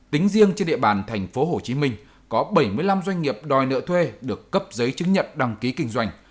tính riêng trên địa bàn tp hcm có bảy mươi năm doanh nghiệp đòi nợ thuê được cấp giấy chứng nhận đăng ký kinh doanh